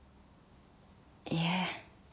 いえ。